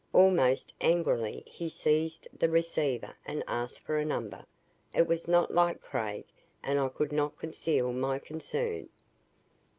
Almost angrily he seized the receiver and asked for a number. It was not like Craig and I could not conceal my concern.